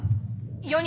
４人。